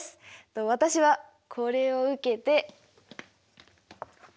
私はこれを受けて。